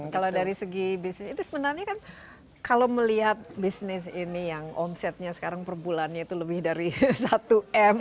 kalau dari segi bisnis itu sebenarnya kan kalau melihat bisnis ini yang omsetnya sekarang per bulannya itu lebih dari satu m